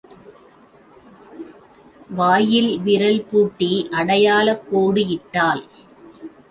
வாயில் விரல் பூட்டி அடையாளக் கோடு இட்டாள்.